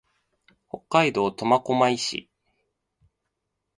北海道苫小牧市